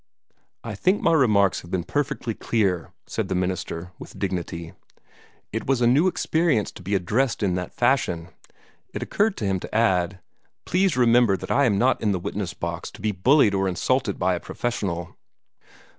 "I think my remarks have been perfectly clear," said the minister, with dignity. It was a new experience to be addressed in that fashion. It occurred to him to add, "Please remember that I am not in the witness box, to be bullied or insulted by a professional."